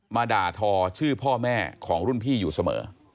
มาด่าทอชื่อพ่อแม่ของรุ่นพี่อยู่เสมอ